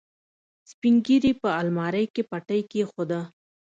سپينږيري په المارۍ کې پټۍ کېښوده.